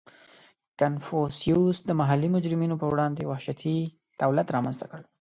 • کنفوسیوس د محلي مجرمینو په وړاندې وحشتي دولت رامنځته کړ.